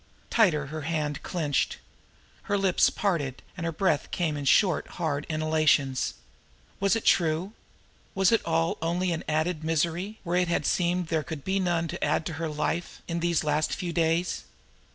Tighter her hand clenched. Her lips parted, and her breath came in short, hard inhalations. Was it true? Was it all only an added misery, where it had seemed there could be none to add to her life in these last few days?